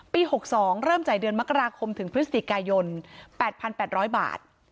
ปีหกสองเริ่มจ่ายเดือนมกราคมถึงพฤศจิกายนแปดพันแปดร้อยบาท